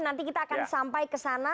nanti kita akan sampai kesana